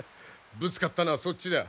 ぶつかったのはそっちだ。